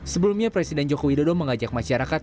sebelumnya presiden jokowi dodo mengajak masyarakat